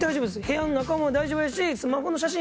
部屋の中も大丈夫やしスマホの写真も。